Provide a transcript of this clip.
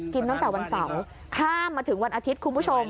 ตั้งแต่วันเสาร์ข้ามมาถึงวันอาทิตย์คุณผู้ชม